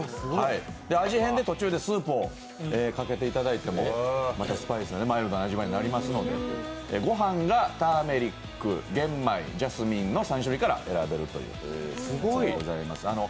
味変で途中でスープをかけていただいても、スパイスがマイルドになりますのでご飯がターメリック、玄米、ジャスミンの３種類から選べます。